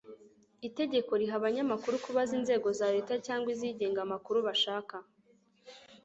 itegeko riha abanyamakuru kubaza inzego za Leta cyangwa izigenga amakuru bashaka.